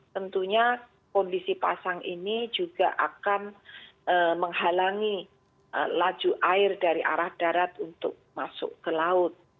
tentunya kondisi pasang ini juga akan menghalangi laju air dari arah darat untuk masuk ke laut